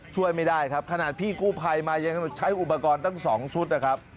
ช่วยไม่ได้ครับขนาดพี่กู้ภัยมายังใช้อุปกรณ์ตั้ง๒ชุดนะครับ